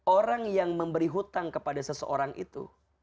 orang yang memberi hutang kepada seseorang itu